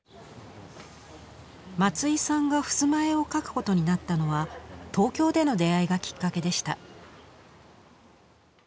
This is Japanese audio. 松井さんが襖絵を描くことになったのは東京での出会いがきっかけでした。